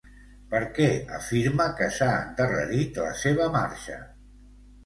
Per què afirma que s'ha endarrerit la seva marxa?